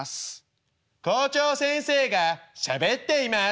「校長先生がしゃべっています」。